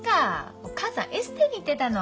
お母さんエステに行ってたの。